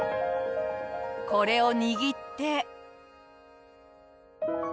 これを握って。